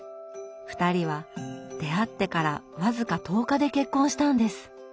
２人は出会ってから僅か１０日で結婚したんです！